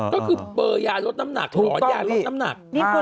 ก็คือเบลยารสน้ำหนักหรอยารสน้ำหนักถูกต้องพี่